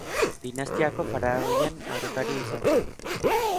Dinastiako faraoien aurrekaria izan zen.